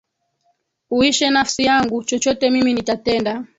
Uishe nafsi yangu, chochote mimi nitatenda